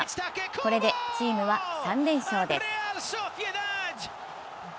これでチームは３連勝です。